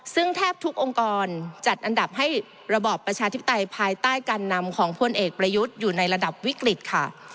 ซึ่งแทบทุกองค์กรจัดอันดับให้ระบอบประชาธิปไตยภายใต้การนำของพลเอกประยุทธ์อยู่ในระดับวิกฤตค่ะ